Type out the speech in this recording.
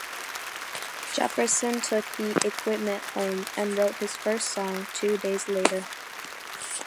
Jefferson took the equipment home and wrote his first song two days later.